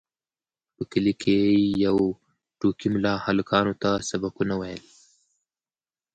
په کلي کې یو ټوکي ملا هلکانو ته سبقونه ویل.